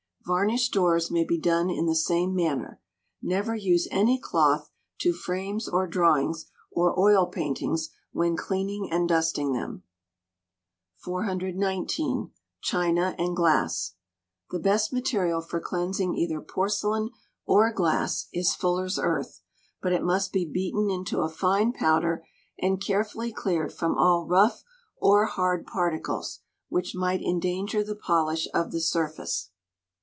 Varnished doors may be done in the same manner. Never use any cloth to frames or drawings, or oil paintings, when cleaning and dusting them. 419. China and Glass. The best material for cleansing either porcelain or glass, is fuller's earth: but it must be beaten into a fine powder, and carefully cleared from all rough or hard particles, which might endanger the polish of the surface.